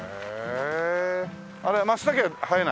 あれマツタケ生えない？